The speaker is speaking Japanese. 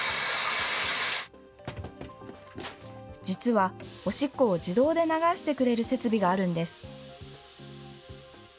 実はおしっこを自動で流してくれる設備があるんです。